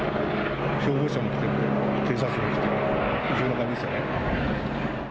消防車も来て、警察も来て、異常な感じでしたね。